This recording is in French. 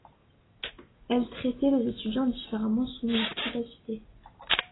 Elle traitait les étudiants différemment selon leurs capacités.